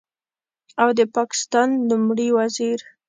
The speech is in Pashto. او د پاکستان لومړي وزیر